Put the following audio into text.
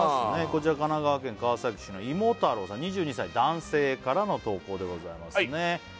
こちら神奈川県川崎市の芋太郎さん２２歳男性からの投稿でございますね